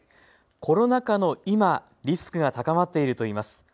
コロナ禍の今、リスクが高まっているといいます。